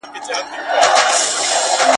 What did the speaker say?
ولې ځینې ډلې ډېر واک لري؟